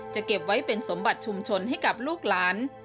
เก็บไว้เป็นสมบัติชุมชนให้กับลูกหลาน